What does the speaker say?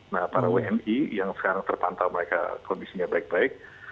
nah para wni yang sekarang terpantau mereka kondisinya baik baik